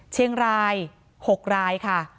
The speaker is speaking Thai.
เชียงราย๖รายค่ะ